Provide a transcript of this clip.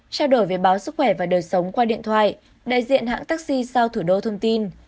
trao đổi về báo sức khỏe và đời sống qua điện thoại đại diện hãng taxi sao thủ đô thông tin